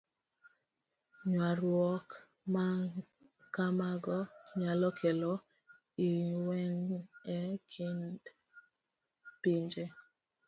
Ywaruok ma kamago nyalo kelo lweny e kind pinje.